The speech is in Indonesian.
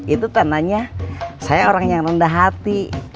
itu tandanya saya orang yang rendah hati